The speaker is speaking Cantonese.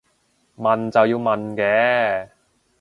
問就要問嘅